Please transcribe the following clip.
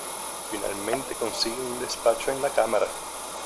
Finalmente consigue un despacho en la Cámara.